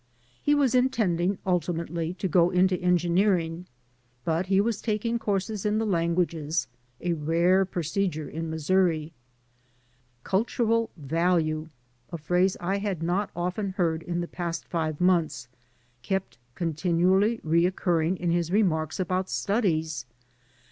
He was intending ultimately to go into engineer ingy but he was taking courses in the languages — ^a rare procedure in Missouri. "Cultural value" — s, phrase I had not often heard in the past five months — ^kept continually recurring in his remarks about studies.